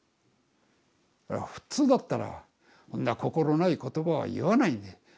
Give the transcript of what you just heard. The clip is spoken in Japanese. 普通だったらそんな心ない言葉は言わないんだよ。